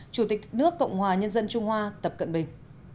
chủ tịch nước cộng hòa nhân dân trung hoa tập cận bình